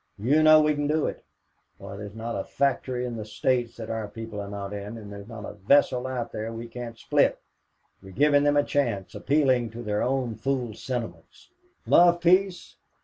You know we can do it. Why, there's not a factory in the States that our people are not in, and there's not a vessel out that we can't split. We're giving them a chance appealing to their own fool sentiments. 'Love peace?'